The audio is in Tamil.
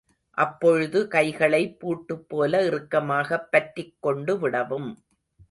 அப்பொழுது கைகளை பூட்டு போல இறுக்கமாகப் பற்றிக் கொண்டுவிடவும்.